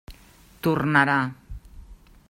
Tornarà.